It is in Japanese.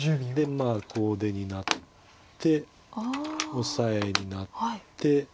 こう出になってオサエになって。